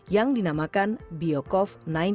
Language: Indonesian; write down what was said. yang dinamakan biocov sembilan belas